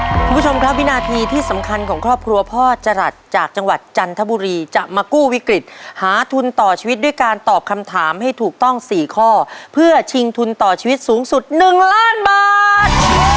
คุณผู้ชมครับวินาทีที่สำคัญของครอบครัวพ่อจรัสจากจังหวัดจันทบุรีจะมากู้วิกฤตหาทุนต่อชีวิตด้วยการตอบคำถามให้ถูกต้อง๔ข้อเพื่อชิงทุนต่อชีวิตสูงสุด๑ล้านบาท